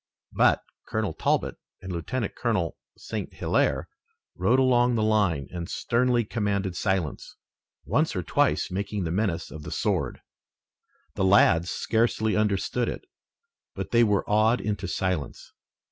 But Colonel Talbot and Lieutenant Colonel St. Hilaire rode along the line and sternly commanded silence, once or twice making the menace of the sword. The lads scarcely understood it, but they were awed into silence.